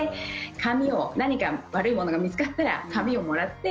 何か悪いものが見つかったら紙をもらって